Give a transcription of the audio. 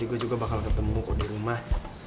gue juga bakal ketemu kok di rumah